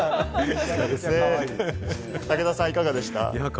武田さん、いかがでしたか？